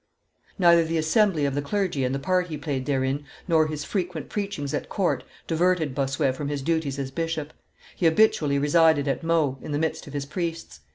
Neither the assembly of the clergy and the part he played therein, nor his frequent preachings at court, diverted Bossuet from his duties as bishop; he habitually resided at Meaux, in the midst of his priests.